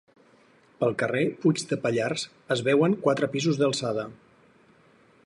Pel carrer Puig de Pallars es veuen quatre pisos d'alçada.